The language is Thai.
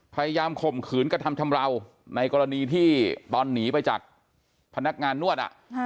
ข่มขืนกระทำชำราวในกรณีที่ตอนหนีไปจากพนักงานนวด